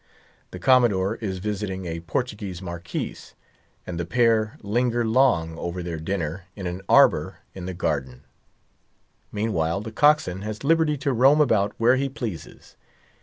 The Commodore is visiting a Portuguese marquis, and the pair linger long over their dinner in an arbour in the garden. Meanwhile, the cockswain has liberty to roam about where he pleases.